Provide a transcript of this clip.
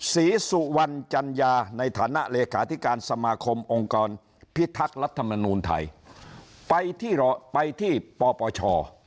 ศรีสุวรรณจัญญาในฐานะเลขาธิการสมาคมองค์กรพิทักษ์รัฐมนูลไทยไปที่ไปที่ปปช